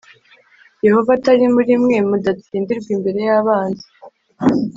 Yehova atari muri mwe mudatsindirwa imbere y abanzi